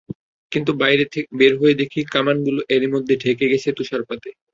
কিন্তু বাইরে বের হয়ে দেখি কামানগুলো এরই মধ্যে ঢেকে গেছে তুষারপাতে।